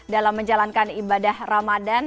dalam menjalankan ibadah ramadan